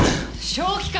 正気か！